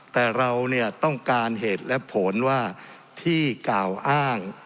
แต่เราต้องการเหตุและผลว่าที่กล่าวอ้าง